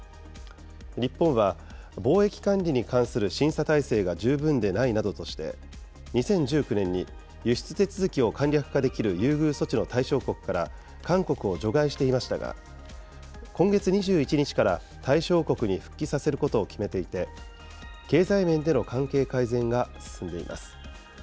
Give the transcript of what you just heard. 日本は、貿易管理に関する審査体制が十分でないなどとして、２０１９年に輸出手続きを簡略化できる優遇措置の対象国から韓国を除外していましたが、今月２１日から対象国に復帰させることを決めていて、経済面での関係改善が進んでいます。